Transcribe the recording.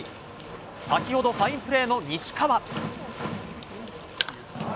先ほどファインプレーの西川。